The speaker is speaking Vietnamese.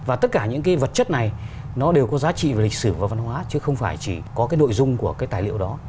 và tất cả những cái vật chất này nó đều có giá trị về lịch sử và văn hóa chứ không phải chỉ có cái nội dung của cái tài liệu đó